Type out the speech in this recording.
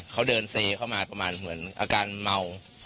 เขาเดินเซเข้ามาประมาณเหมือนอาการเมา